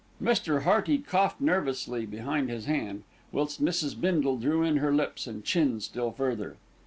Mr. Hearty coughed nervously behind his hand; whilst Mrs. Bindle drew in her lips and chin still further.